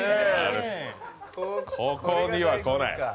ここには来ない。